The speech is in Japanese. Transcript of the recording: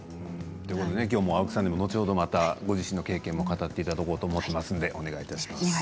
ということで青木さんにも後ほどご自身の経験を語っていただこうと思いますのでお願いします。